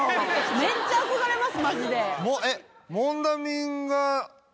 めっちゃ憧れますマジで。